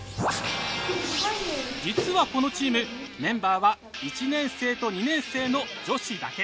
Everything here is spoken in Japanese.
実はこのチームメンバーは１年生と２年生の女子だけ。